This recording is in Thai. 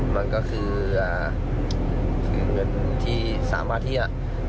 มันก็คือเงินที่สามารถที่จะ